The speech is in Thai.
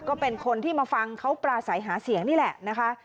ก็เป็นคนที่มาฟังเขาปราศัยหาเสียงนี่แหละนะคะ